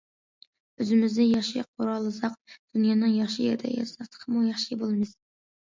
ئۆزىمىزنى ياخشى قۇرالىساق، دۇنيانىڭ ياخشى يېرىدە ياشىساق تېخىمۇ ياخشى بولىمىز.